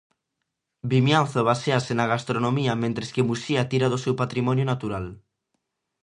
Vimianzo basease na gastronomía mentres que Muxía tira do seu patrimonio natural.